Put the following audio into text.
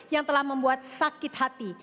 yang telah membuat sakit hati